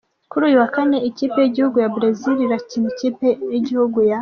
Kuri uyu wa kane ikipe y'igihugu ya Bresil irakira ikipe y'igihugu ya.